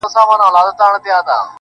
هغې بېگاه زما د غزل کتاب ته اور واچوه.